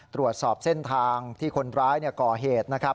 ตรวจสอบเส้นทางที่คนร้ายก่อเหตุนะครับ